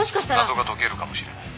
謎が解けるかもしれない。